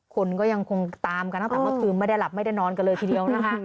คนก็ยังคงตามกันตั้งแต่เมื่อคืนไม่ได้หลับไม่ได้นอนกันเลยทีเดียวนะคะ